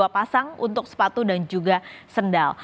dua pasang untuk sepatu dan juga sendal